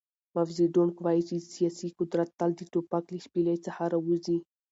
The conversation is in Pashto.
ماو زیډونګ وایي چې سیاسي قدرت تل د ټوپک له شپېلۍ څخه راوځي.